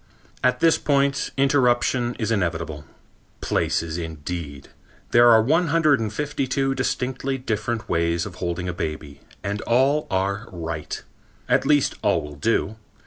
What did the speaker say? At this point, interruption is inevitable. Places indeed! There are one hundred and fifty two distinctly different ways of holding a baby and all are right! At least all will do.